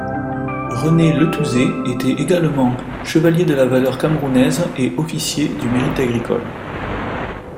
René Letouzey était également chevalier de la Valeur camerounaise et officier du Mérite agricole.